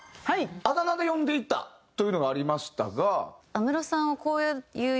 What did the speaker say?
あだ名で呼んでいたというのがありましたが。